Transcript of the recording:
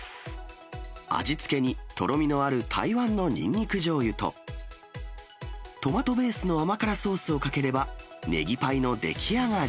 味付けにとろみのある台湾のニンニクじょうゆとトマトベースの甘辛ソースをかければ、ネギパイの出来上がり。